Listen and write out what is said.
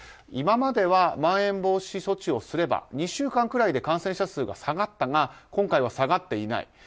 今まではまん延防止措置をすれば２週間くらいで感染者数が下がったが今回は下がっていない。